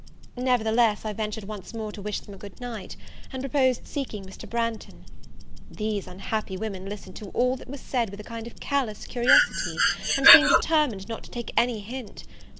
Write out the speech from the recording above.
Nevertheless, I ventured once more to wish them a goodnight, and proposed seeking Mr. Branghton. These unhappy women listened to all that was said with a kind of callous curiosity, and seemed determined not to take any hint.